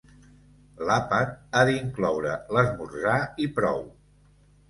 L'àpat ha d'incloure l'esmorzar i prou.